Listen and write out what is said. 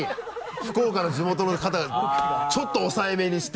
福岡の地元の方はちょっと抑えめにして。